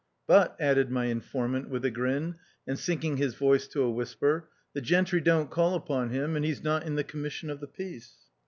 " But," added my informant with a grin, and sink ing his voice to a whisper, " the gentry don't call upon him, and he's not in the commission of the peace."